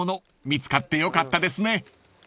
見つかってよかったですね］